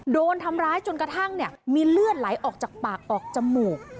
โดนทำร้ายจนกระทั่งมีเลือดไหลออกจากปากออกจมูก